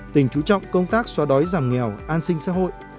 tỉnh chú trọng công tác xóa đói giảm nghèo an sinh xã hội